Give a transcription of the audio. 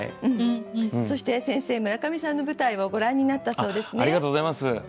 そして先生村上さんの舞台をご覧になったそうですね。ありがとうございます。